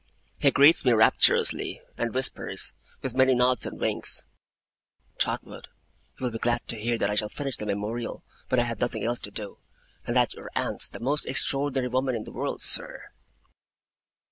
He greets me rapturously, and whispers, with many nods and winks, 'Trotwood, you will be glad to hear that I shall finish the Memorial when I have nothing else to do, and that your aunt's the most extraordinary woman in the world, sir!